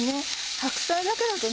白菜だけだとね